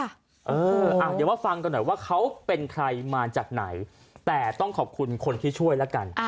เดี๋ยวมาฟังกันหน่อยว่าเขาเป็นใครมาจากไหนแต่ต้องขอบคุณคนที่ช่วยแล้วกัน